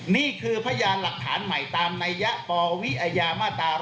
นี่คือพยานหลักฐานใหม่ตามนัยยะปวิอาญามาตรา๑๕